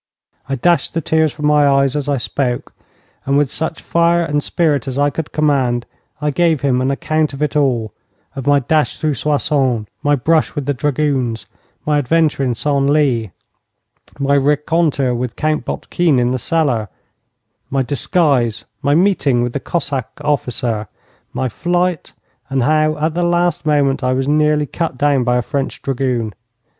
I dashed the tears from my eyes as I spoke, and with such fire and spirit as I could command I gave him an account of it all, of my dash through Soissons, my brush with the dragoons, my adventure in Senlis, my rencontre with Count Boutkine in the cellar, my disguise, my meeting with the Cossack officer, my flight, and how at the last moment I was nearly cut down by a French dragoon.